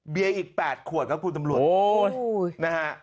เบียงอีก๘ขวดครับคุณตำรวจ